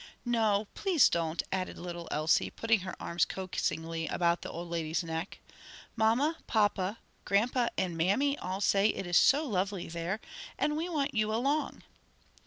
"No, please don't," added little Elsie, putting her arms coaxingly about the old lady's neck. "Mamma, papa, grandpa and mammy all say it is so lovely there, and we want you along."